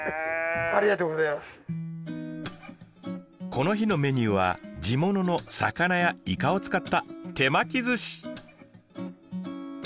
この日のメニューは地物の魚やイカを使った手巻きずし！